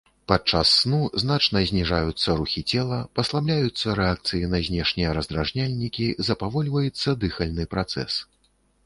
Падчас сну значна зніжаюцца рухі цела, паслабляюцца рэакцыі на знешнія раздражняльнікі, запавольваецца дыхальны працэс.